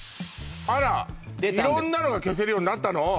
あら色んなのが消せるようになったの？